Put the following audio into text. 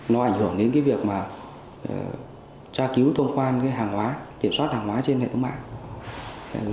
nó ảnh hưởng đến cái việc mà tra cứu thông quan hàng hóa kiểm soát hàng hóa trên hệ thống mạng